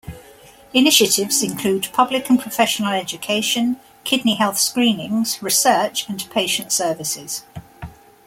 Initiatives include public and professional education, kidney health screenings, research, and patient services.